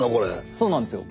そうなんですよ。